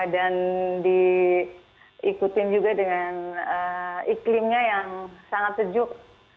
dan diikutin juga dengan iklimnya yang sangat sejuk